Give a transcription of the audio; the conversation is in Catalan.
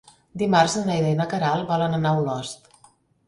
Dimarts na Neida i na Queralt volen anar a Olost.